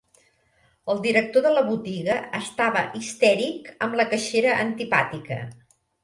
El director de la botiga estava histèric amb la caixera antipàtica.